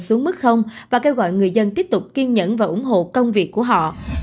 xuống mức không và kêu gọi người dân tiếp tục kiên nhẫn và ủng hộ công việc của họ